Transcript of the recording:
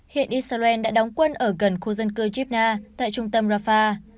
hiện israel đã đóng quân ở gần khu dân cư gibna tại trung tâm rafah